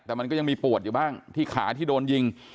แต่มันก็ยังมีปวดอยู่บ้างที่ขาที่โดนยิง